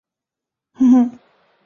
建在日内瓦湖流入罗讷河之处。